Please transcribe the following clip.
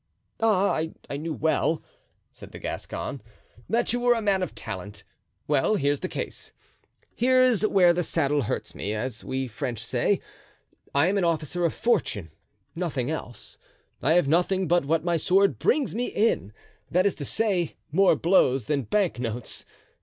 "Ah, I knew well," said the Gascon, "that you were a man of talent. Well, here's the case, here's where the saddle hurts me, as we French say. I am an officer of fortune, nothing else; I have nothing but what my sword brings me in—that is to say, more blows than banknotes.